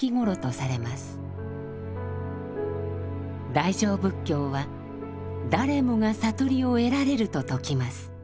大乗仏教は「誰もが悟りを得られる」と説きます。